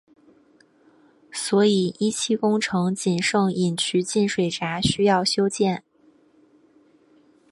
所以一期工程仅剩引渠进水闸需要修建。